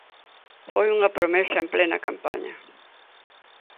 Foi unha promesa en plena campaña.